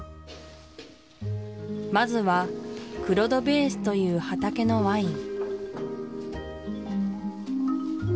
まずはクロ・ド・ベーズという畑のワイン